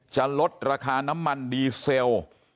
จะลดราคาน้ำมันดีเซล